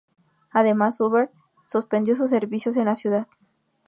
Además, Uber suspendió sus servicios en la ciudad.